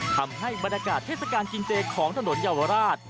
ทำให้บรรยากาศเทศกาลกินเจของถนนเยาวราช